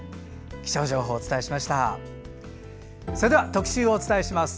気象情報をお伝えしました。